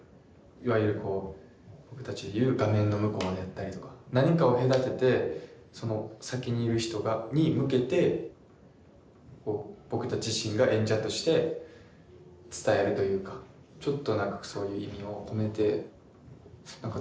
いわゆるこう僕たちで言う画面の向こうやったりとか何かを隔ててその先にいる人に向けて僕たち自身が演者として伝えるというかちょっと何かそういう意味を込めて作れたらなって思います。